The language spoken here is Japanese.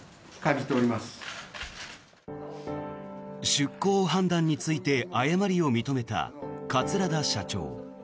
出航判断について誤りを認めた桂田社長。